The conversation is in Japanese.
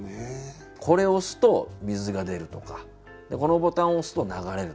これ押すと水が出るとかこのボタン押すと流れるとか。